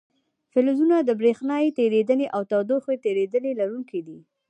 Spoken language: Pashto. فلزونه د برېښنا تیریدنې او تودوخې تیریدنې لرونکي دي.